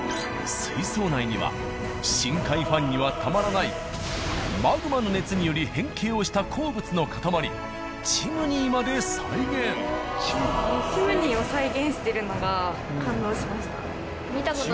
水槽内には深海ファンにはたまらないマグマの熱により変形をした鉱物の塊チムニーまで再現。